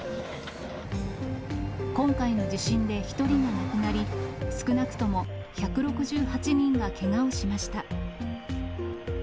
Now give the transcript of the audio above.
今回の地震で１人が亡くなり、少なくとも１６８人がけがをしました。